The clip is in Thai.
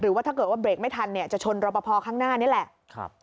ว่าถ้าเกิดว่าเบรกไม่ทันเนี่ยจะชนรอปภข้างหน้านี่แหละ